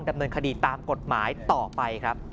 ดำเนินคดีตามกฎหมายต่อไปครับ